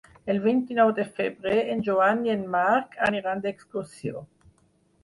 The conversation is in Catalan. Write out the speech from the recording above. El vint-i-nou de febrer en Joan i en Marc aniran d'excursió.